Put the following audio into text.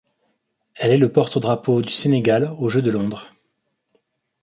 Elle est le porte-drapeau du Sénégal aux Jeux de Londres.